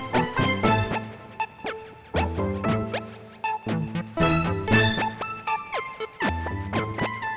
jalur kayu fora